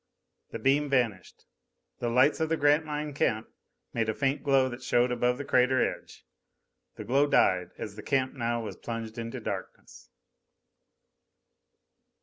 _ The beam vanished. The lights of the Grantline camp made a faint glow that showed above the crater edge. The glow died, as the camp now was plunged into darkness.